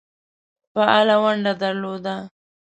فعاله ونډه درلوده.